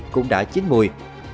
cũng đã chín mùi